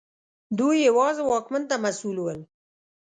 دوی یوازې واکمن ته مسوول ول.